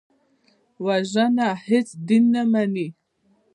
وژنه هېڅ دین نه مني